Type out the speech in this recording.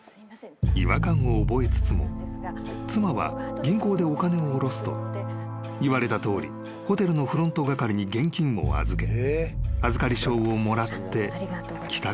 ［違和感を覚えつつも妻は銀行でお金を下ろすと言われたとおりホテルのフロント係に現金を預け］